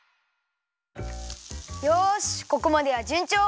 よしここまではじゅんちょう！